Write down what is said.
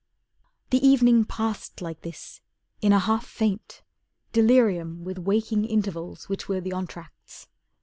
The evening passed like this, in a half faint, Delirium with waking intervals Which were the entr'acts.